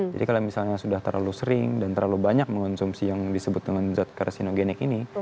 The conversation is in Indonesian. jadi kalau misalnya sudah terlalu sering dan terlalu banyak mengonsumsi yang disebut dengan zat karsinogenik ini